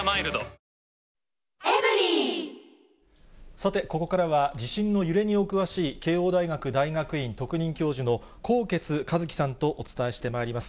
さて、ここからは地震の揺れにお詳しい、慶応大学大学院特任教授の纐纈一起さんとお伝えしてまいります。